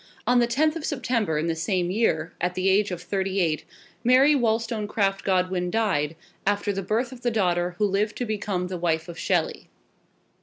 On the 10th of September in the same year, at the age of thirty eight, Mary Wollstonecraft Godwin died, after the birth of the daughter who lived to become the wife of Shelley.